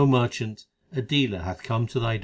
merchant, 4 a dealer hath come to thy door.